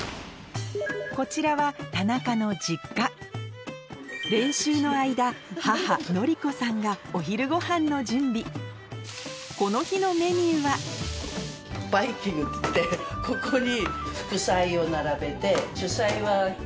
こちらは練習の間母憲子さんがお昼ごはんの準備この日のメニューはバイキングっつってここに。